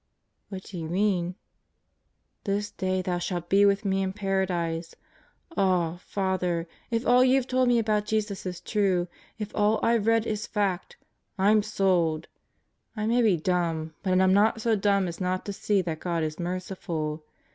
"What do you mean?" " 'This day thou shalt be with Me in Paradise. 7 Ah, Father, if all you've told me about Jesus is true; if all I've read is fact, I'm sold! I may be dumb, but I'm not so dumb as not to see that God is merciful.